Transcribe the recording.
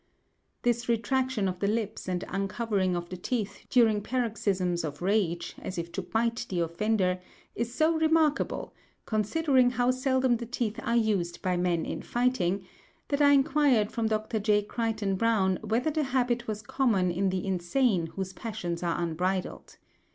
This retraction of the lips and uncovering of the teeth during paroxysms of rage, as if to bite the offender, is so remarkable, considering how seldom the teeth are used by men in fighting, that I inquired from Dr. J. Crichton Browne whether the habit was common in the insane whose passions are unbridled.